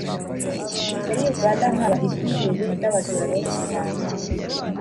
muri Uganda haba ibyihebe n'abajura benshi cyane